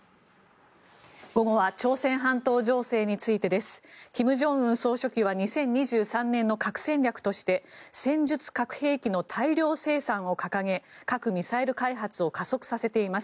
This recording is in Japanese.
午後は朝鮮半島情勢についてです。金正恩総書記は２０２３年の核戦略として戦術核兵器の大量生産を掲げ核・ミサイル開発を加速させています。